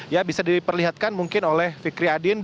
ya bisa diperlihatkan mungkin oleh fikri adin